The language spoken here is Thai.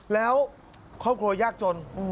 แล้วครอบครัวยากจน